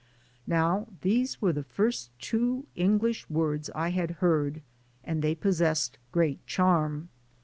Now these were the first two English words I had heard and they possessed great charm.